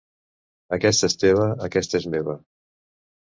Aquesta és teva, aquesta és meva.